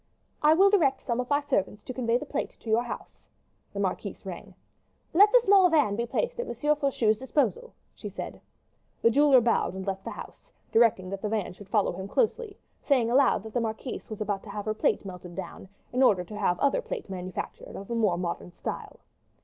"I will direct some of my servants to convey the plate to your house." The marquise rung. "Let the small van be placed at M. Faucheux's disposal," she said. The jeweler bowed and left the house, directing that the van should follow him closely, saying aloud, that the marquise was about to have her plate melted down in order to have other plate manufactured of a more modern style.